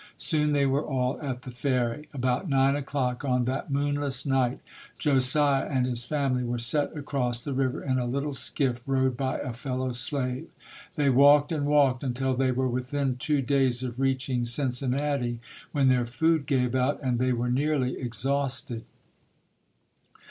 Soon they were all at the ferry. About nine o'clock on that moonless night, Josiah and his family were set across the river in a little skiff rowed by a fellow slave. They walked and walked until they were within two days of reaching Cincinnati, when their food gave out and they were nearly exhausted.